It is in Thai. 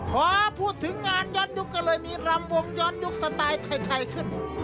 พอพูดถึงงานย้อนยุคก็เลยมีรำวงย้อนยุคสไตล์ไทยขึ้น